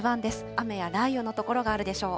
雨や雷雨の所があるでしょう。